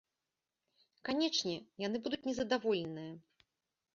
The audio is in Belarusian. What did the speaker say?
Канечне, яны будуць незадаволеныя.